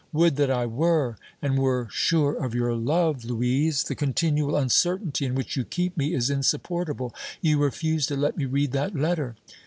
"Would that I were and were sure of your love, Louise! The continual uncertainty in which you keep me is insupportable! You refuse to let me read that letter?"